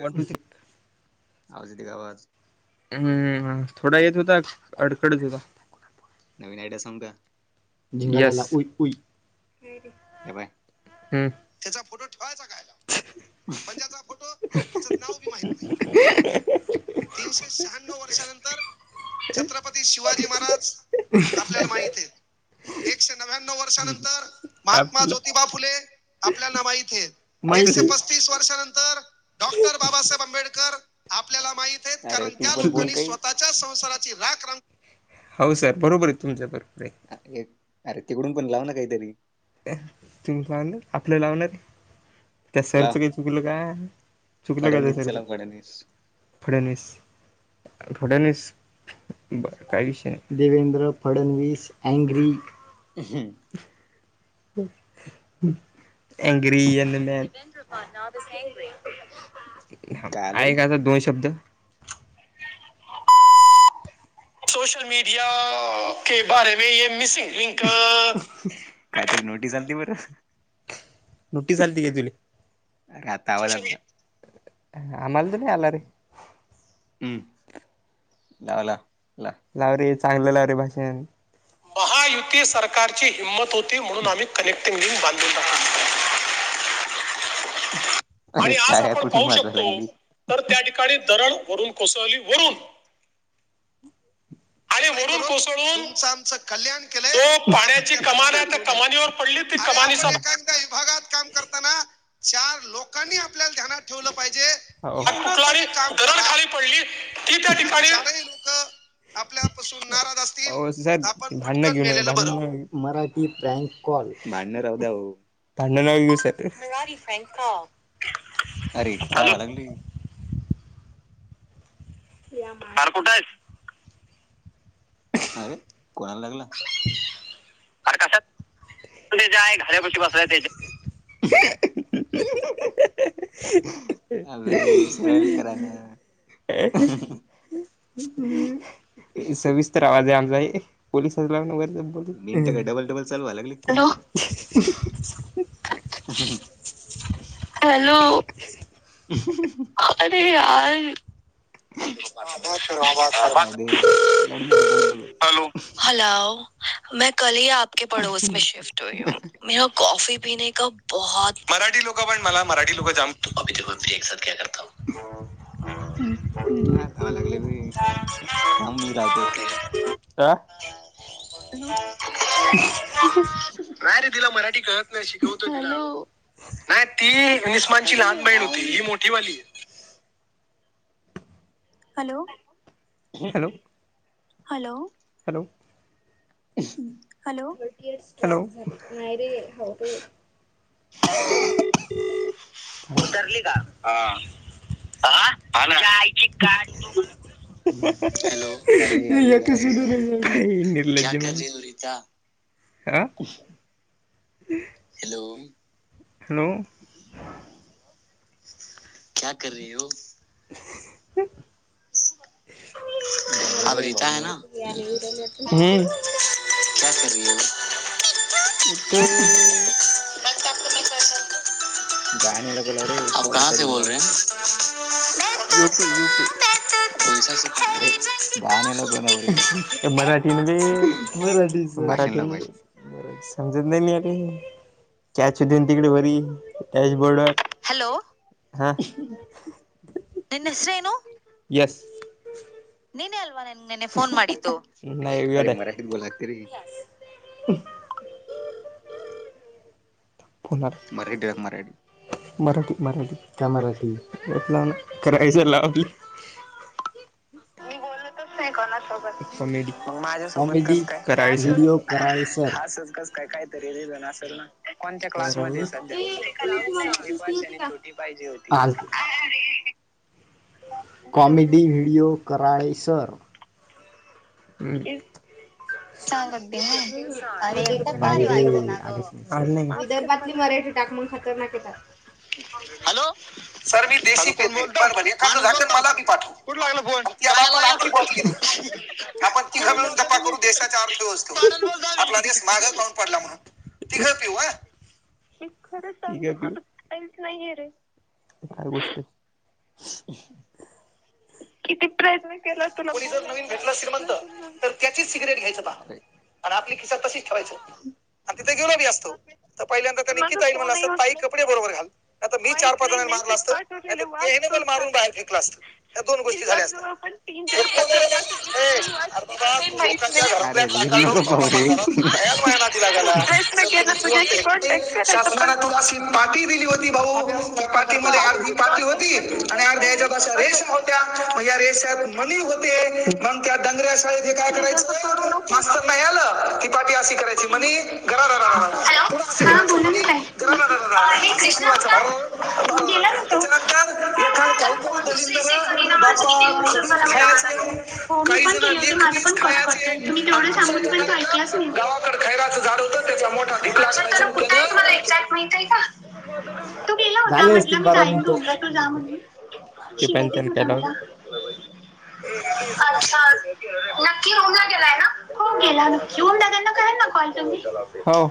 One two six आजते काा आवाज हम्म थोडा येत होता अडखडत होता. नवीन आयडया सांग का. ज [unintelligible] क बाय. त्याचा फोटो ठेवायचा कयला पणज्याचा फोटो त्याचं नाव बी माहित नाही. ह तीनशे शहाण्णव वर्षानंतर छत्रपती शिवाजी महाराज आपल्याला माहित आहे एकशे नव्याव वर्षर महात्मा आपलं जोतिबा फुले आपल्याला माहत आहे माहित एकशे आहे तस वर्षानंतर डॉक्टर बाबासाहेब आंबेडकर आपल्याला माहिित कारण त्या आपलं लोकांनी स्वतःच्या संसाराची राख रख हो सर बरोबर आहे तुमच्यां बरोबर आहे एक अरे तिकडून पण लाव ना काहीतरी तु लावणार आपल्या लावणार त्या सरचं काही चुकलं का चुकलं का जा सारचं फड्याणवीस फड्यावीस बर काही विषय नाही देवेंद्र फडणवीस अग्री ह हो हम् एंग्रि येन म ह आहे काचा दोन शब्द. सोशल मीडिया के बारे मे य मिसिंग. लिंक नोटीस आली त ग तुली. आम्हाल त नाही आला रे हम् लावला लाव रे चांगलं लाव रे भाषण महायुती सरकारची हिंमत होती म्हणून आम्ही कनेक्टिंग लिंक बांधून ट आणि आज आपण पाहू शकतो तर त्या ठिकाणी दरण वरून कोसळली वरून आणि रांगोळी वरून करून कोसळून तुमचं आमचं कल्याण केलंय जो म्हणून आपण पाण्याची त्यांना कमान आहे ध्यानात त्या कमानीवर पडली ती कमानी स त्या विभागात काम करताना चार लोकांनी आपल्याला ध्यानात ठेवलं पाहिजे [unintelligible] एवढं तरी काम दरड करा खाली पडली, ती त्या आणि ठिकाणी चारही लोक आपल्यापासून नाराज असतील आओ सर तर आपण भांडण पटकन घेऊन मेलेलं नका, बरं मराठी प्रँन्क भांडण लावाय वीस हायत. [inaudible] अरे! काय वा लागलय? आरं कुठे आहेस? अरे! कोणाला लागला? [inaudible] अरे कशात [unintelligible] [inaudible] हअ अ अ सविस्तर आवाज य आमचा ये [unintelligible] अहम् हॅलो! अह हम. हॅलो! हम अअअ अरे! यार [unintelligible] हॅलो! हॅलो! मैं कल ही आपके पडोस मे शिफ्ट हुई हु. मेरा कॉफी पिणे का बहोत मराठी लोक पण मला मराठी लोक जाम अभी तो [unintelligible] [unintelligible] आ हॅलो नाही रे तिला मराठी कळत नाही, शिकवतोय तिला हॅलो नाही ती निस्मानची अरे लहान बहीण यार होती, ही मोठी बहिण हॅलो! अहम hello hello! Hello! [unintelligible] Hello! Hello! नाहीय रे [unintelligible] उतरली का? [unintelligible] [inaudible] नाही निर्लज्ज मन आ [inaudible] [unintelligible] हॅलो! हॅलो! [unintelligible] क्या, कर रही हो? [unintelligible] क्या, कर रही हो. [unintelligible] [unintelligible] आप कहा से बोल रहे हैं. [unintelligible] मै तोता [unintelligible] मै तोता मराठी म्हणजे मराठीचं समजत नाही [unintelligible] हॅलो! हा [unintelligible] येस नाही वेड आहे [unintelligible] [unintelligible] मराठी [unintelligible] मराठी मराठी मराठी काय मराठी? [unintelligible] [unintelligible] कोणासोबत कॉमेडी मग माझ्यासोबत कॉमेडी कसं काय? [unintelligible] व्हिडिओ कराळे सर असंच कस काय? [inaudible] असेल ना कोणत्या क्लासमध्येय सध्या. Second year. [unintelligible] एक वर्षाने छोटी पाहिजे होती. आज [unintelligible] कॉमेडी व्हिडिओ, कराळे सर. हम्म. प्लीज [inaudible] माफ कर विदर्भातली मला मराठी. टाक मग, खतरनाक येतात. हॅलो. सर मी देशी कोण पेते. बोलता बर- बर. एखाद झाकण मला बी पाठव. कुठं लागला फोन आणि त्या काय बापाला आणखी बॉटली दे. आपण तिघं कुठून मिळून बोलता गप्पा तुम्ही करू देशाच्या पाडल अर्थव्यवस्थेवर. बोलता मी आपला देश माघ पडला म्हणून. तिघं पिऊ. आ. मी खरंच सांगते, माझं काहीच नाहीये रे. काय गोष्टी [unintelligible] किती प्रयत्न केला तुला कोणी जर नवीन बोलायचा. भेटला श्रीमंत तुला [unintelligible] तर त्याचीच सिगरेट घ्यायचं बा करेक्ट. आणि आपली खिश्यात तशीच ठेवायच. आणि तिथे गेलो बी असतो. सांगायचं, तर पहिल्यांदा त्या पण नक्की माझा ताईला म्हणल फोनही असतं. ताई उचलत कपडे नाही बरोबर घाल. आता मी माहित चार -पाच नाही जणांन मारला मेसेज असतं. नाही पाठवलेले तर त्याने वाचतोच मला का मारून नाही बाहेर फेकलं असत. या दोन मी गोष्टी झाल्या जास्त असत्या. पण तीन [inaudible] [inaudible] चार पत्र पाठवले तेही अरे वाचले बाबा का नाही तू माहित लोकांच्या नाही घरातल्या [unintelligible] [inaudible] खूप प्रयत्न केला तुझ्याशी कॉन्टॅक्ट करायचा पण अभ्यास करता [unintelligible] तू ती करता मध्ये अर्धी माझ्याशी पाटी होती कॉन्टॅक्ट कसं होऊ आणि देत अर्ध्या नाहीये [inaudible] स्वतःचा रेषा काही होत्या. [inaudible] रेष्यात मणी होते. मग त्या डांगऱ्या शाळेचं काय प्लीज करायचं असं [unintelligible] करू नकोस नाही आल की, पाटी अशी [inaudible] हॅलो हा बोला ना ताई हे कृष्णा [unintelligible] होता गेला ना तो त्याच्यानंतर तर फोनच रिसीव्ह करीना माझं किती उशीर झाला [unintelligible] मी लावायला लागलो. खायचे. हो मी काही पण जण केले होते माझं लेखनीच पण कट खायचे. करतोय तुम्ही आणि तेवढं सांगून कुसायचा पण तो ऐकलाच कार्यक्रम नाही मला गावा ड खैराचं झाड होत. [unintelligible] त्याचा मोठा धिकलाय अच्छा तर कुठं त्यान आहे तुम्हाला एक्झॅक्ट माहित आहे का? तो गेला [inaudible] होता झाले म्हटलं असतील मी बारा जाईन मिनिटं. रूमला तो जा म्हणून [unintelligible] [inaudible] छान. नक्की [unintelligible] गेलाय ना. हो गेला नक् [unintelligible] दा कॉल तुम्ही. हो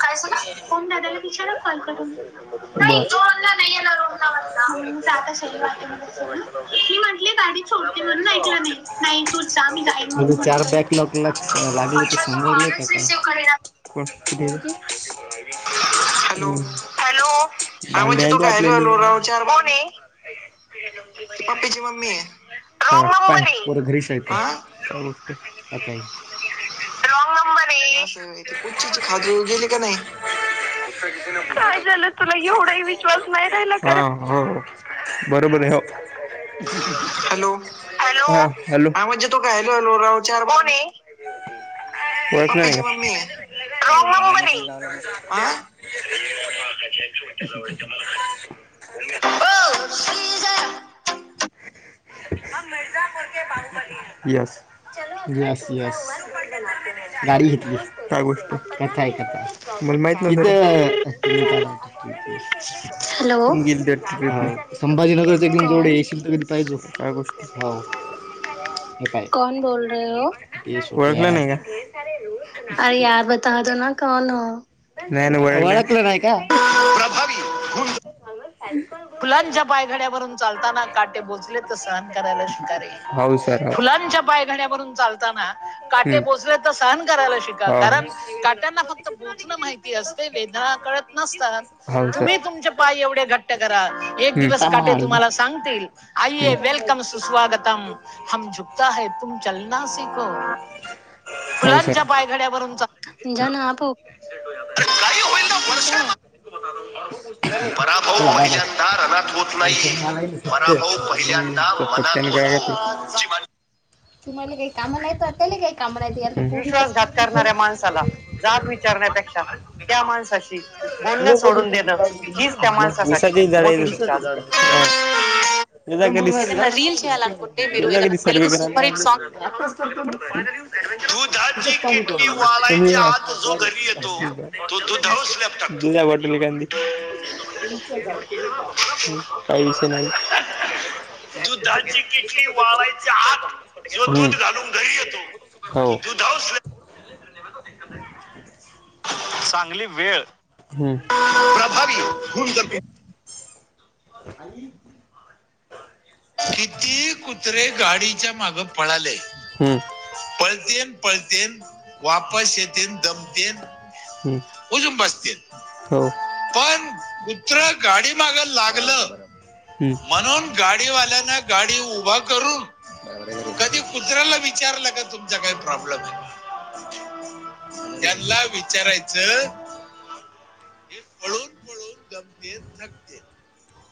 काय झालं. [unintelligible] दादाला तिचारा, कॉल करून. [unintelligible] बर ती म्हणली गाडी सोड. [inaudible] जाईन म्हणून चार म्हणतोय बॅक [unintelligible] लागले की अच्छा तू समजून कॉलच रिसीव घेतेत. करेना कोण [inaudible] हॅलो, हम्म. हॅलो. हा भांडी म्हणजे तू आणली हॅलो आपल्याले हॅलो राव चार. कोणय? पप्पीची मम्मीय. हा पान पोरं घरीच हायत. [inaudible] हा [unintelligible] काय झालं तुला. एवढाही विश्वास नाही राहिला का रे. हा हो. बरोबरय. हो. [inaudible] Hello, hello. हा हॅलो हा म्हणजे तो काय हॅलो हॅलो राव चार. कोणय? [inaudible] ओळखलं पप्पीची नाही का मम्मीय. राँग नंबरय. आं. [unintelligible] [inaudible] [inaudible] येस, येस, येस गाडी घेतली. काय गोल कथा आहे कथा मला माहित नाही [inaudible] हेलो बोल [inaudible] संभाजीनगरचे जेवढे येशील. [inaudible] पाहिजे ह्या गोष्टी. हो [inaudible] रहे हो येस, [inaudible] ओळखलं नाही का? [inaudible] खरे रूल. अरे यार बता दो ना कोण हो. नाही नाही ओळख ओळखलं नाहीय का. प्रभावी [unintelligible] फुलांच्या पायघड्यावररून चालताना काटे बोचले तर सहन करायला शिकारे! हो सर हो. च्या पाय घण्या भरून चालताना काटे बोसले तर सहन करायला शि हो कारण काट्यांना फक्त बोथन माहिती असते वेदनाकड नसतात तुम्ही तुमचे पाय एवढे घट्ट करा एक हम्म, दिवस काटे टमाळी तुम्हाला सांगतील. हम्म. आईये वेलकम सुस्वागतम हम झुक्ता ह तुम चलना सीखो. हो सर फुलांच्या पायघड्यावरूनचा जण आपो [unintelligible] [inaudible] चला बा बाय पहिल्यांदा रणात होत आणि नाही पराभव त्या पतनी ग घातली. ह [inaudible] तुम्हाला काही काम नाहीयेत वाटत्याली काही. काम रायाला विश्वासघात करणाऱ्या माणसाला जाब विचारण्यापेक्षा त्या माणसाशी बोलणं सोडून देणं हीच त्या [unintelligible] [unintelligible] विसा माणसासाठी मोठी शिक्षा असते झा [unintelligible] एकदा कधी येऊन जा कधी सर्वे करायला. आताचत दुधाची किटली वाळायच्या आत जो घरी येतो तो दुधावर स्लॅब [unintelligible] टाकतो घेऊन जा बॉटल एखादी. काही विषय नाही. दुधाची किटली वाळायच्या आत जो हम्म दूध घालून घरी येतो हो तो दूध चांगली वेळ हम्म प्रभावी होऊन आणि किती कुत्रे गाडीच्या माग पळाले. हम्म पळतेन पळतेन वापस येत दमते. हम्म! वजुन बस्तील. हो. पण कुत्र गाडी माग लागलं हम्म म्हणून गाडी गाडीवाल्या न गाडी उभा करून. कधी कुत्र्याला विचारलं का तुमचा काही प्रॉब्लेम आहे. त्यांना विचारायचं. हे पळून पळून दमतेन थकते.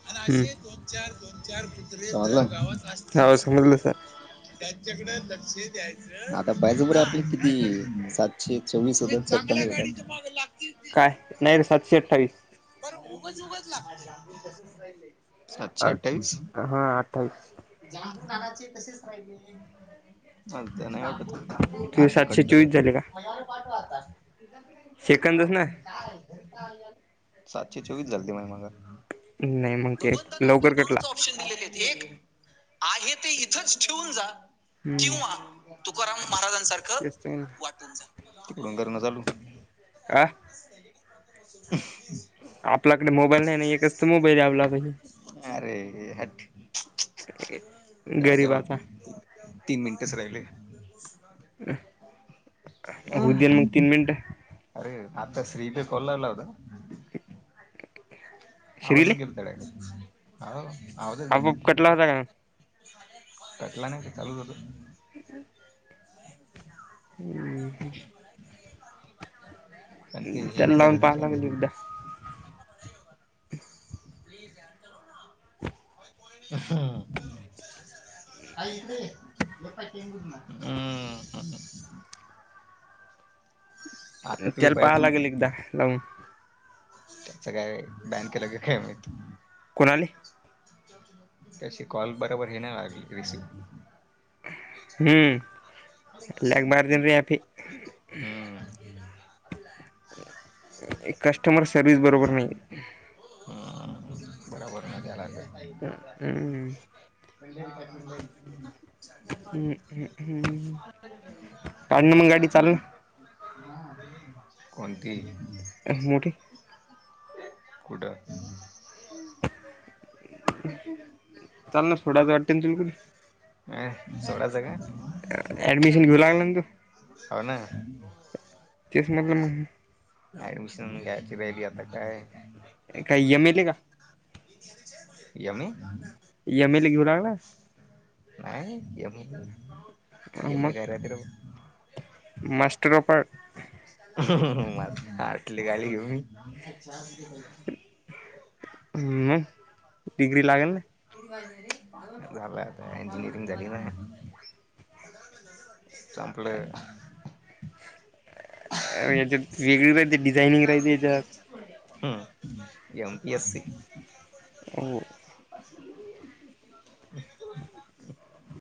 आणि हम्म असे दोन चार दोन चार कुत्रे गावात हो असतेच. समजलं सर त्यांच्याकडे लक्ष द्यायचं आता पाहिजे बर आपले किती सातशे चोवीस होत चकमी. काय नाही सातशे अठ्ठावीस. [unintelligible] सातशे अठ्ठावीस हा अठ्ठावीस जांबू नाचे कसेच राहिले. मजजा नाही वाटत होता तू अर्ध सातशे कट्टरठ. चोवीस झाले का हो सेकंदच ना [unintelligible] सातशे चोवीस झालते मा मा नाही मग ते आप लवकर कटला दोनच ऑप्शन दि एक आहे ते इथंच ठेवून जा हम्म किंवाग तुकाराम महाराजांसारखं तेच तर वाटून जा तिकडून कर चालू. काय. [unintelligible] आपल्याकडे मोबाईल नाही नाही एकच तर मोबाईल आहे आपल्याकडे. गरीबाचा. होद्यान मुग तीन मिनटा. अरे मता श्री पे कोलल हो. श्रीले आवाजच गेल त्या्यानी आवाजच गेला. आपोआप कटला होता का कटला नाही का चालूच होत. [inaudible] [inaudible] त्याला लावून पाहायला मिल एकदा. हम्. [unintelligible] हम्म. तेल पाहालागल एकदा लाऊन. त्या सग काय बॅन केलं काय काय माहित. कोणाली. त्याची कॉल बरोबर हे ना लागली रिसिव. हम्म एल्याग मारदन र अफी. हम्म. कस्टमर सर्विस बरोबर नाही. हम्म बरोबर मज्जा लागल्या. हम्म [inaudible] हम्मम्म हम् काढण मग गाडी चालल. कोणती. मोठी कुठं. चाल ना थोड्याच वाटेन तुलकून मी सोडायचं काय. ऍडमिशन घेऊ लागला ना तू. हो ना. तेसमधलं म. ऍडमिशन ग्याची बा बी आता काय. काय येमेते का. यम्मी. एम एल ए घेऊ लागला नाही एम एम काय मग रात्रभर मास्टर ऑफ आर्ट. म माझी तर आटली गाली घे मी [unintelligible] हम् डिग्री लागेल ना. झालं आता इंजिनियरिंग झाली ना. संपल. याच्यात वेगळी डिझाइनिंग राहिली याच्यात. हम् एम एस सी. हो